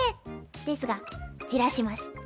ですが焦らします。